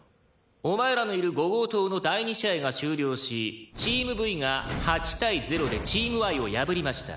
お前らのいる伍号棟の第２試合が終了しチームＶが８対０でチームＹを破りました。